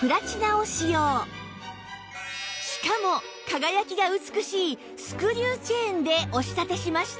しかも輝きが美しいスクリューチェーンでお仕立てしました